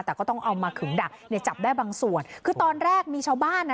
แต่ก็ต้องเอามาขึงดักเนี่ยจับได้บางส่วนคือตอนแรกมีชาวบ้านอ่ะ